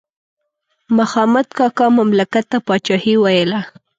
مخامد کاکا مملکت ته پاچاهي ویله.